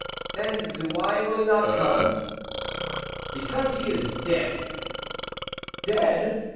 "And why will he not come?" "Because he is dead." "Dead!"